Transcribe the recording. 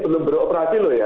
belum beroperasi loh ya